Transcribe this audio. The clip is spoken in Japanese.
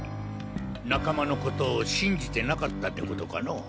仲間のことを信じてなかったってことかの？